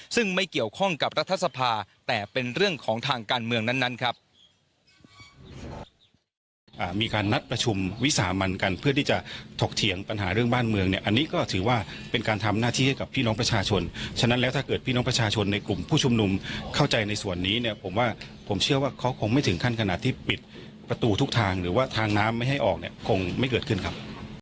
ซึ่งไม่เกี่ยวข้องกับรัฐสภาแต่เป็นเรื่องของทางการเมืองนั้นครับ